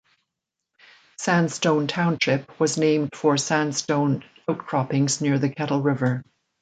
Sandstone Township was named for sandstone outcroppings near the Kettle River.